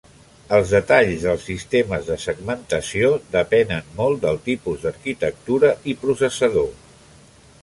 Els detalls dels sistemes de segmentació depenent molt del tipus d'arquitectura i processador.